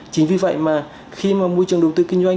chính vì vậy mà khi mà môi trường đầu tư kinh doanh